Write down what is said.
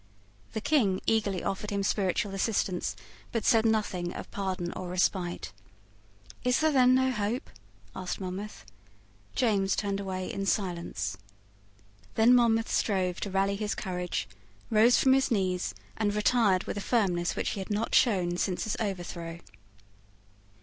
The King eagerly offered him spiritual assistance, but said nothing of pardon or respite. "Is there then no hope?" asked Monmouth. James turned away in silence. Then Monmouth strove to rally his courage, rose from his knees, and retired with a firmness which he had not shown since his overthrow.